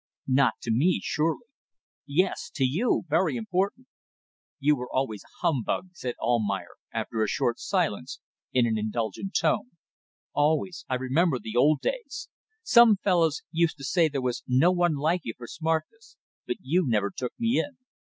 "Not to me, surely." "Yes! To you. Very important." "You were always a humbug," said Almayer, after a short silence, in an indulgent tone. "Always! I remember the old days. Some fellows used to say there was no one like you for smartness but you never took me in.